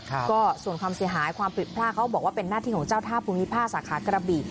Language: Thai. ก็ส่วนความเสียหายความผิดพลาดเขาบอกว่าเป็นหน้าที่ของเจ้าท่าภูมิภาคสาขากระบิ